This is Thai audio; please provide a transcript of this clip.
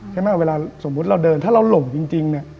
เวลาสมมุติเราเดินถ้าเราหลงจริงเนี่ย